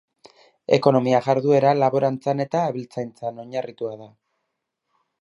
Ekonomia jarduera laborantzan eta abeltzaintzan oinarritua da.